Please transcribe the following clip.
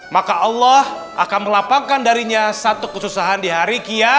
maka allah akan melapangkan darinya satu kesusahan di hari kia